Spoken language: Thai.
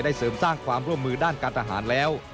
เสริมสร้างความร่วมมือด้านการทหารแล้ว